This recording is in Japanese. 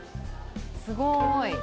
すごい。